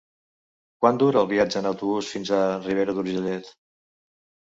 Quant dura el viatge en autobús fins a Ribera d'Urgellet?